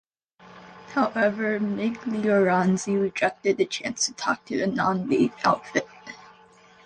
However, Miglioranzi rejected the chance to talk to the Non-League outfit.